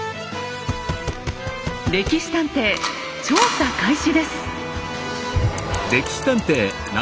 「歴史探偵」調査開始です。